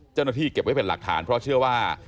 เจ้าหน้าที่เก็บไว้เป็นหลักฐานเพราะเชื่อว่า